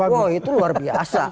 wah itu luar biasa